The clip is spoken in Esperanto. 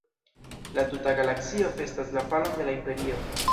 La tuta galaksio festas la falon de la Imperio.